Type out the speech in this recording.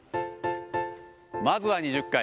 まずは２０回。